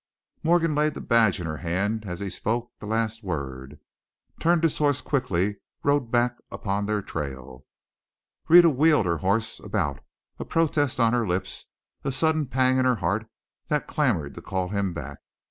Morgan laid the badge in her hand as he spoke the last word, turned his horse quickly, rode back upon their trail. Rhetta wheeled her horse about, a protest on her lips, a sudden pang in her heart that clamored to call him back.